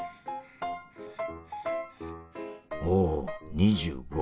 おお２５。